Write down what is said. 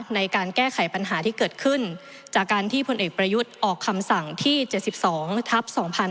ในการแก้ไขปัญหาที่เกิดขึ้นจากการที่พลเอกประยุทธ์ออกคำสั่งที่๗๒ทัพ๒๕๕๙